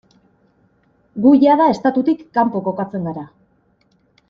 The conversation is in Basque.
Gu jada estatutik kanpo kokatzen gara.